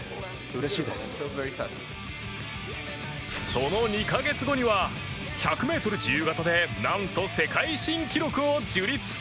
その２か月後には１００ｍ自由形でなんと世界新記録を樹立。